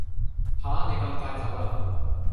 吓你咁快走啦？